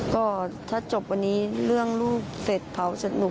ก็ถ้าจบวันนี้เรื่องลูกเสร็จเผาเสร็จหนู